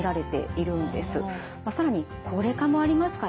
まあ更に高齢化もありますからね。